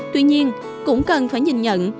tuy nhiên cũng cần phải nhìn nhận